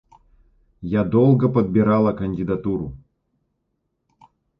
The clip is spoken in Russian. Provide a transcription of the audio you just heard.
Я долго подбирала кандидатуру.